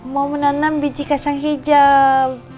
mau menanam biji kasang hijau